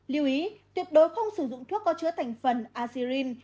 liêu ý tuyệt đối không sử dụng thuốc có chứa thành phần acyrin